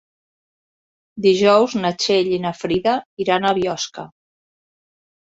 Dijous na Txell i na Frida iran a Biosca.